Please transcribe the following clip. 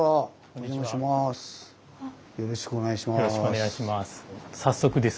よろしくお願いします。